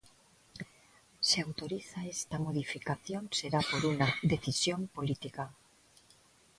Se autoriza esta modificación será por unha decisión política.